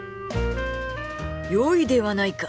よいではないか。